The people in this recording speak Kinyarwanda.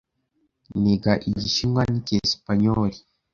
Niga Igishinwa n'Icyesipanyoli.